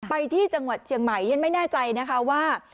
ไปที่จังหวัดเชียงใหม่ฉันไม่แน่ใจนะคะว่า